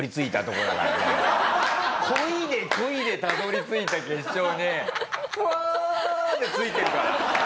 こいでこいでたどり着いた決勝でファで着いてるから。